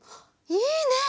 いいね！